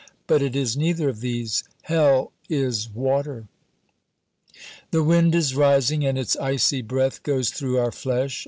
But it is neither of these. Hell is water. The wind is rising, and its icy breath goes through our flesh.